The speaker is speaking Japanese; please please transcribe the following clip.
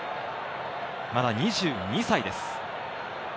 まだ２２歳です。